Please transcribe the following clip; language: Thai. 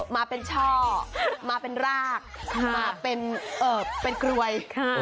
มาเป็นช่อมาเป็นรากมาเป็นกรวย